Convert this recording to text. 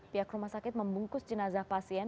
pihak rumah sakit membungkus jenazah pasien